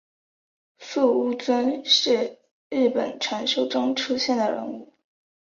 素呜尊是日本传说中出现的人物。